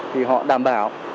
thì họ đảm bảo